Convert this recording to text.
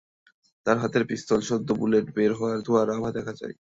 তাঁর হাতের পিস্তল থেকে সদ্য বুলেট বের হওয়ার ধোঁয়ার আভা দেখা যায়।